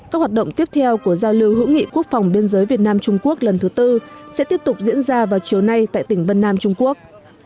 các hoạt động tiếp theo của giao lưu hữu nghị quốc phòng biên giới việt nam trung quốc lần thứ tư sẽ tiếp tục diễn ra vào chiều nay tại tỉnh vân nam trung quốc